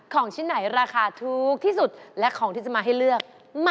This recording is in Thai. ของชิ้นไหนราคาถูกที่สุดและของที่จะมาให้เลือก